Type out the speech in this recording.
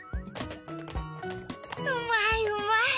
うまいうまい。